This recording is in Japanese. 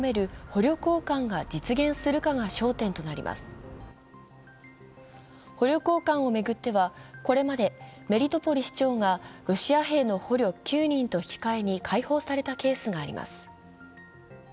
捕虜交換を巡ってはこれまでメリトポリ市長がロシア兵の捕虜９人と引き換えに解放されたケースがあります。